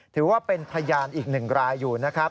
ถือว่าเป็นพยานอีกหนึ่งรายอยู่นะครับ